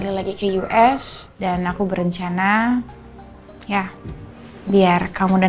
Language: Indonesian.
silahkan mbak mbak